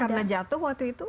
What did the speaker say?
memar karena jatuh waktu itu atau